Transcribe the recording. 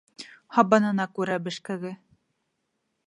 Һабанына күрә бешкәге.